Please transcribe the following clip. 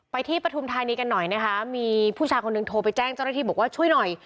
ที่ปฐุมธานีกันหน่อยนะคะมีผู้ชายคนหนึ่งโทรไปแจ้งเจ้าหน้าที่บอกว่าช่วยหน่อย